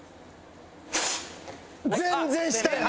全然下やん！